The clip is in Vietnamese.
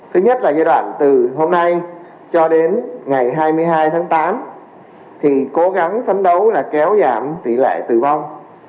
thứ nhất là giai đoạn từ hôm nay cho đến ngày hai mươi hai tháng tám thì cố gắng phấn đấu là kéo giảm tỷ lệ tử vong